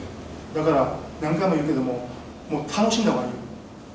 だから、何回も言うけど楽しんだほうがいい。